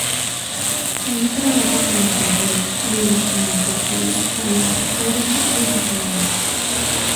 Allí trabajó como pintor, dibujante publicitario, fotógrafo y diseñador.